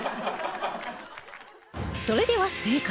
それでは正解